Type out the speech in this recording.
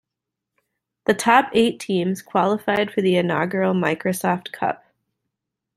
The top eight teams qualified for the inaugural Microsoft Cup.